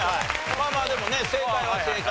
まあまあでもね正解は正解。